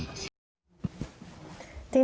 เจอครับเจอแต่ไม่คุยกัน